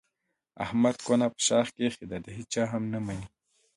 احمد کونه په شاخ کې ایښې ده د هېچا هم نه مني.